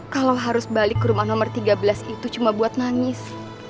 kalau harus balik ke rumah nomor tiga belas itu cuma buat nangis